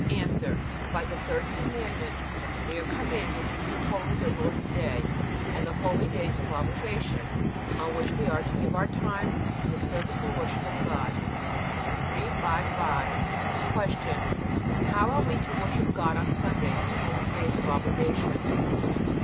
A. By the third Commandment we are commanded to keep holy the Lord's day and the holydays of obligation, on which we are to give our time to the service and worship of God. 355. Q. How are we to worship God on Sundays and holydays of obligation?